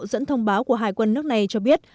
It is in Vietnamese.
dẫn thông báo của hải quân nước này cho biết